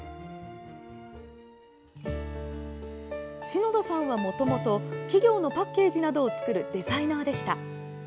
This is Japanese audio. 篠田さんは、もともと企業のパッケージなどを作るデザイナーでした。